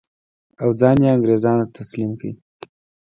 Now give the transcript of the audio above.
او ځان یې انګرېزانو ته تسلیم کړ.